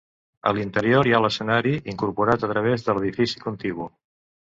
A l'interior hi ha l'escenari, incorporat a través de l'edifici contigu.